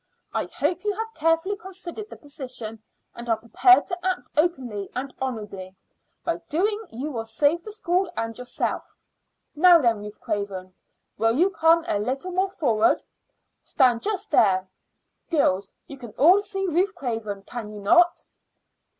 I hope you have carefully considered the position and are prepared to act openly and honorably. By go doing you will save the school and yourself. Now then, Ruth Craven, will you come a little more forward? Stand just there. Girls, you can all see Ruth Craven, can you not?"